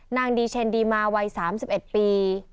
นางดีเชนดีมาวัย๓๑ปี